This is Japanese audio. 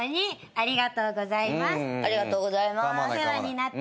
ありがとうございます。